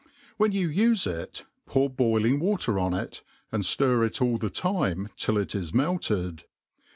• "^hen you ufe it, pour boiling water, on it, and ftir it ^11 the time till it is melted.